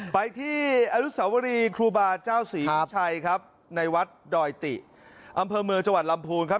ไปที่อนุสาวรีครูบาเจ้าศรีวิชัยครับในวัดดอยติอำเภอเมืองจังหวัดลำพูนครับ